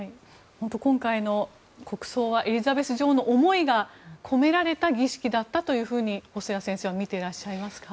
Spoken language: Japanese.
今回の国葬はエリザベス女王の思いが込められた儀式だったと細谷先生は見てらっしゃいますか？